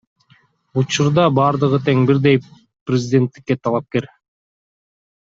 Учурда бардыгы тең бирдей президенттикке талапкер.